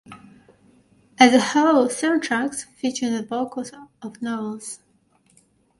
As a whole, seven tracks featured the vocals of Knowles.